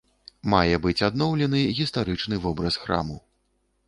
Мае быць адноўлены гістарычны вобраз храму.